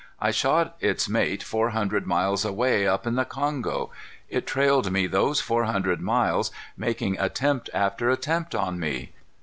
"I shot its mate four hundred miles away, up in the Kongo. It trailed me those four hundred miles, making attempt after attempt on me.